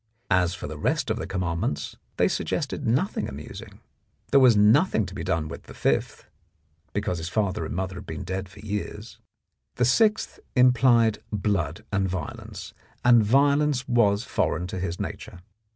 As for the rest of the commandments, they suggested nothing amusing. There was nothing to be done with the fifth, because his father and mother had been dead for years; the sixth implied blood and violence, and violence was foreign to his nature.